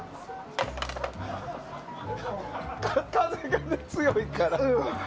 風が強いから。